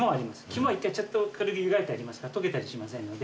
肝は１回軽く湯がいてありますから溶けたりしませんので。